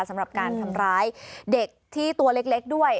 สำหรับการทำร้ายเด็กที่ตัวเล็กด้วย